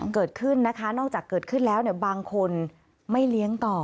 เกิดขึ้นนะคะนอกจากเกิดขึ้นแล้วบางคนไม่เลี้ยงต่อ